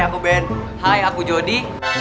hai aku ben hai aku jody